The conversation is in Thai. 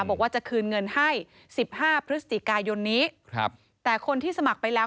บอกว่าจะคืนเงินให้สิบห้าพฤศจิกายนนี้ครับแต่คนที่สมัครไปแล้ว